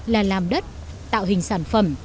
là làm đất tạo hình sản phẩm